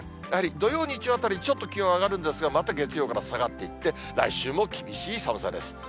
やはり土曜、日曜あたり、ちょっと気温上がるんですが、また月曜から下がっていって、来週も厳しい寒さです。